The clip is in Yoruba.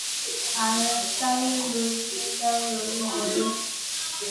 Ààrẹ Táíyélolú ló jáwé olúborí.